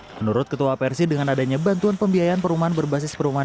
menurut ketua persi dengan adanya bantuan pembiayaan perumahan berbasis perumahan